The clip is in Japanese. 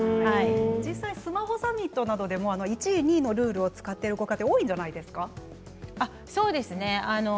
実際スマホサミットなどでも１位２位のルールを使っているご家庭はそうですね。